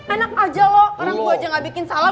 enak aja lo orang gue aja gak bikin salah